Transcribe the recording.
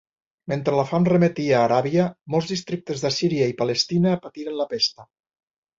Mentre la fam remetia a Aràbia, molts districtes de Síria i Palestina patiren la pesta.